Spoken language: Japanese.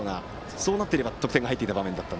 そうなっていれば得点が入っていた場面でした。